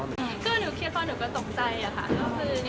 ก็ไม่อยากเสียความเป็นเพื่อน